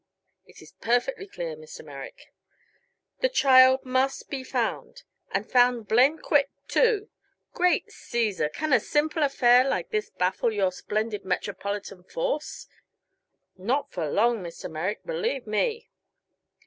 "It is perfectly clear, Mr. Merrick." "The child must be found and found blamed quick, too! Great Caesar! Can a simple affair like this baffle your splendid metropolitan force?" "Not for long, Mr. Merrick, believe me."